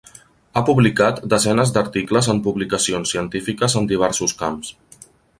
Ha publicat desenes d'articles en publicacions científiques en diversos camps.